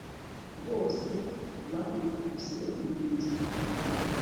bose barikubise, munzira